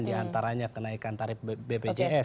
di antaranya kenaikan tarif bpjs